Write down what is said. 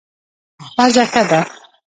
پزه ښه ده.